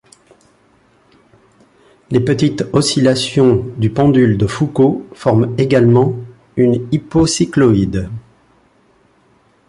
Les petites oscillations du pendule de Foucault forment également une hypocycloïde.